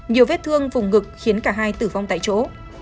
nhiều vết thương vùng ngực khiến cả hai tử vong tại chỗ